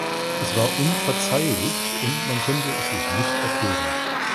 Es war unverzeihlich und man konnte es sich nicht erklären.